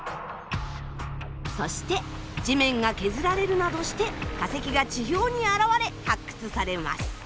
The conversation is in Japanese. そして地面が削られるなどして化石が地表に現れ発掘されます。